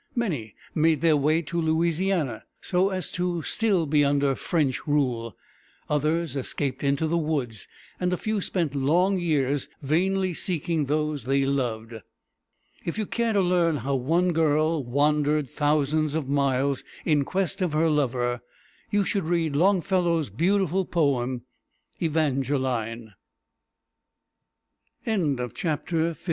Many made their way to Louisiana, so as to be still under French rule; others escaped into the woods; and a few spent long years vainly seeking those they loved. If you care to learn how one girl wandered thousands of miles in quest of her lover, you should read Long´fel low's beautiful poem "E van´ge line." LVI.